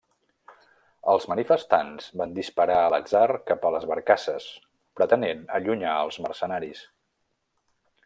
Els manifestants van disparar a l'atzar cap a les barcasses, pretenent allunyar als mercenaris.